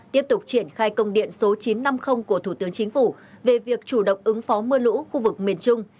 tiếp tục triển khai công điện số chín trăm năm mươi của thủ tướng chính phủ về việc chủ động ứng phó mưa lũ khu vực miền trung